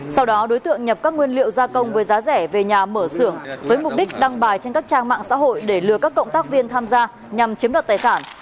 sau đó đối tượng nhập các nguyên liệu gia công với giá rẻ về nhà mở xưởng với mục đích đăng bài trên các trang mạng xã hội để lừa các cộng tác viên tham gia nhằm chiếm đoạt tài sản